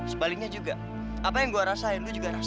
sebaliknya juga apa yang gua rasain lu juga rasain